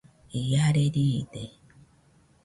Iare riide